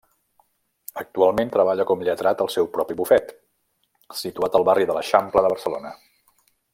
Actualment treballa com lletrat al seu propi bufet, situat al barri de l'Eixample de Barcelona.